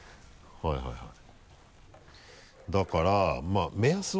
はいはいはい。